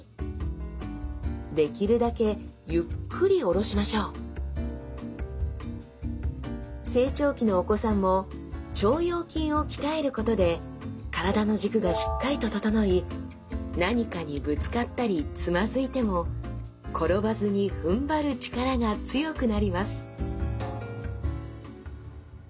こんなふうに成長期のお子さんも腸腰筋を鍛えることで体の軸がしっかりと整い何かにぶつかったりつまずいても転ばずにふんばる力が強くなります